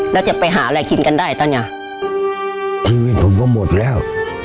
แล้วจะไปหาอะไรกินกันได้ตอนนี้ชีวิตผมก็หมดแล้ว